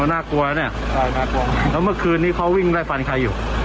น่ากลัวนะเนี่ยน่ากลัวแล้วเมื่อคืนนี้เขาวิ่งไล่ฟันใครอยู่